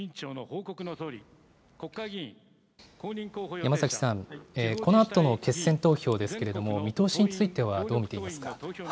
山崎さん、このあとの決選投票ですけれども、このあとの見通しについてはどう見ていますか。